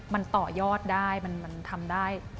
มันต่อยอดได้มันทำได้